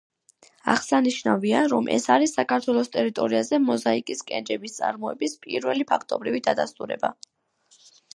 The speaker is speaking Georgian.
აღსანიშნავია, რომ ეს არის საქართველოს ტერიტორიაზე მოზაიკის კენჭების წარმოების პირველი ფაქტობრივი დადასტურება.